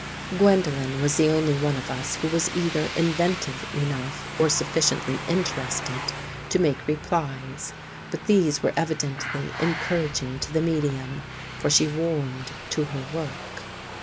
Gwendolen was the only one of us who was either inventive enough or sufficiently interested to make replies, but these were evidently encouraging to the medium, for she warmed to her work.